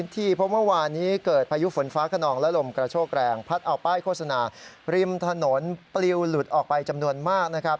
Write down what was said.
ถนนปลิวหลุดออกไปจำนวนมากนะครับ